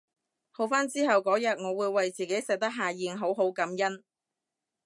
好返之後嗰日我會為自己食得下嚥好好感恩